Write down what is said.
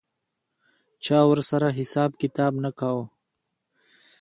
چا ورسره حساب کتاب نه کاوه.